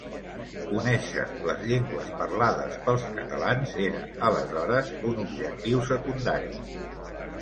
Conèixer les llengües parlades pels catalans era aleshores un objectiu secundari.